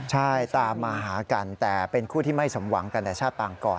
ใช่ตามมาหากันแต่เป็นคู่ที่ไม่สมหวังกันแต่ชาติปางก่อน